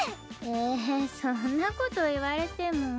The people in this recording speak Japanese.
ええそんなこと言われても。